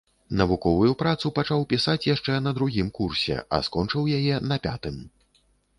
Навуковую працу пачаў пісаць яшчэ на другім курсе, а скончыў яе на пятым.